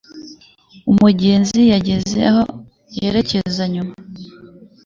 Umugenzi yageze aho yerekeza nyuma.